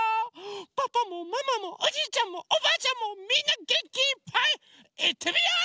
パパもママもおじいちゃんもおばあちゃんもみんなげんきいっぱいいってみよう！